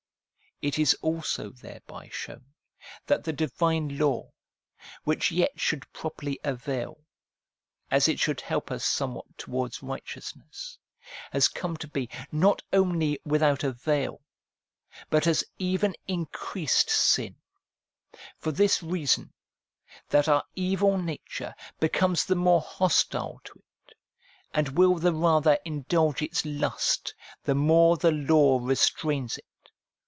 It is also thereby shown that the divine law, which yet should properly avail, as it should help us somewhat towards righteousness, has come to be not only without avail, but has even increased sin, for this reason, that our evil nature becomes the more hostile to it, and will the rather indulge its lust, the more the law restrains it.